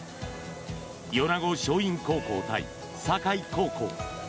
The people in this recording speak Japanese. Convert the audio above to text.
米子松蔭高校対境高校。